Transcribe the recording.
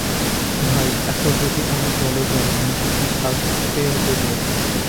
ভাই, এখন যদি আমি দলে যাই, আমাকে কি সাজতে দেবে?